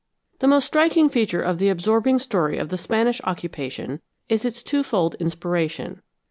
The most striking feature of the absorbing story of the Spanish occupation is its twofold inspiration.